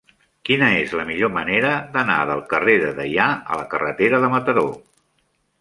Quina és la millor manera d'anar del carrer de Deià a la carretera de Mataró?